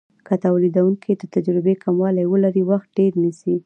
که تولیدونکی د تجربې کموالی ولري وخت ډیر نیسي.